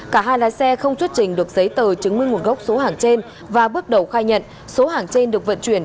cả hai lái xe không xuất trình được giấy tờ chứng minh nguồn gốc số hàng trên và bước đầu khai nhận số hàng trên được vận chuyển